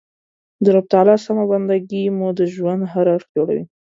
د رب تعالی سمه بنده ګي مو د ژوند هر اړخ جوړوي.